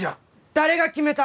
誰が決めた！？